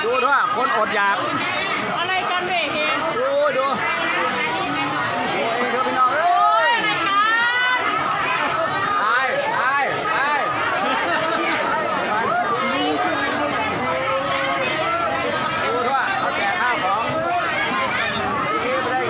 ดูดูว่าเอาแก่ข้าวของจะได้ยังไงไม่รู้ประเทศไทย